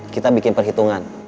kita bikin perhitungan